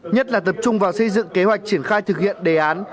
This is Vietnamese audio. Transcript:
nhất là tập trung vào xây dựng kế hoạch triển khai thực hiện đề án